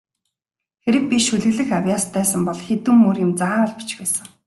Хэрэв би шүлэглэх авьяастай сан бол хэдэн мөр юм заавал бичих байсан.